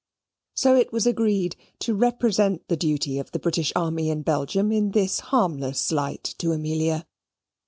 So it was agreed to represent the duty of the British army in Belgium in this harmless light to Amelia.